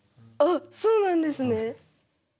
あっそうなんですね。